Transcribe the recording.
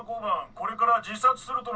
これから自殺するとの通報。